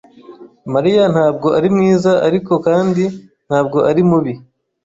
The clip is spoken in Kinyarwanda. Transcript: Mariya ntabwo ari mwiza, ariko kandi ntabwo ari mubi.